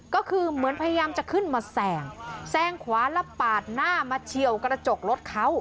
ก็คือเหมือนพยายามจะขึ้นมาแซงแซงขวาแล้วปาดหน้ามาเฉียวกระจกรถเขา